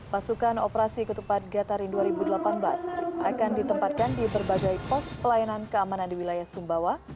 pasukan operasi ketupat gatarin dua ribu delapan belas akan ditempatkan di berbagai pos pelayanan keamanan di wilayah sumbawa